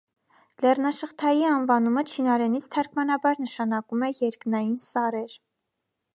Լեռնաշղթայի անվանումը չինարենից թարգմանաբար նշանակում է «երկնային սարեր»։